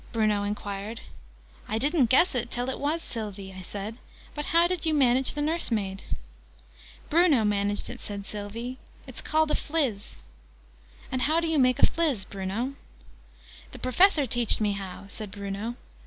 Bruno enquired. {Image...'It went in two halves'} "I didn't guess it, till it was Sylvie," I said. "But how did you manage the nursemaid?" "Bruno managed it," said Sylvie. "It's called a Phlizz." "And how do you make a Phlizz, Bruno?" "The Professor teached me how," said Bruno.